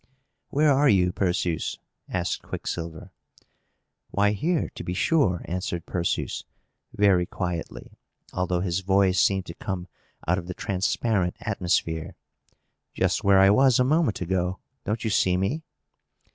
"Where are you, Perseus?" asked Quicksilver. "Why, here, to be sure!" answered Perseus, very quietly, although his voice seemed to come out of the transparent atmosphere. "Just where I was a moment ago. Don't you see me?"